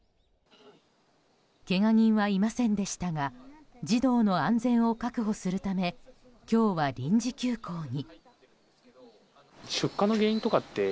けが人はいませんでしたが児童の安全を確保するため今日は臨時休校に。